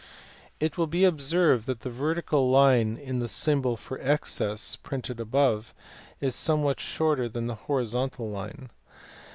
It will be observed that the vertical line in the symbol for excess printed above is somewhat shorter than the horizontal line.